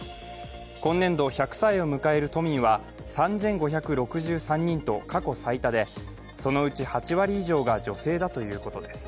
今年度１００歳を迎える都民は３５６３人と過去最多で、そのうち８割以上が女性だということです。